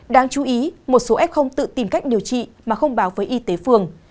đáng chú ý một số f tự tìm cách điều trị mà không bảo với y tế phường